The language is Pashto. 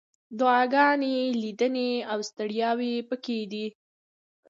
دعاګانې، لیدنې، او ستړیاوې پکې دي.